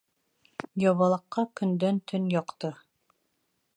Ябалаҡҡа көндән төн яҡты.